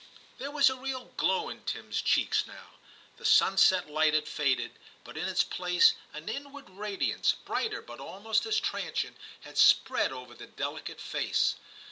There was a real glow in Tim's cheeks now ; the sunset light had faded, but in its place an inward radiance, brighter but almost XIII TIM 303 as transient, had spread over the delicate face.